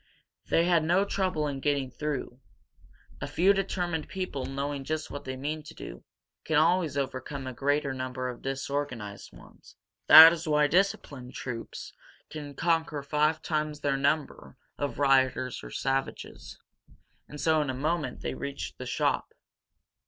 They had no trouble in getting through. A few determined people, knowing just what they mean to do, can always overcome a greater number of disorganized ones. That is why disciplined troops can conquer five times their number of rioters or savages. And so in a moment they reached the shop.